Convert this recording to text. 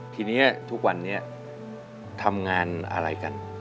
ทีนี้ทุกวันนี้ทำงานอะไรกัน